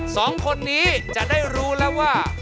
สองคนนี้จะได้รู้แล้วว่า